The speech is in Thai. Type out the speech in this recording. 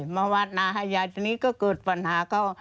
มาวาดหน้าให้ยายทีนี้ก็เกิดปัญหาเขา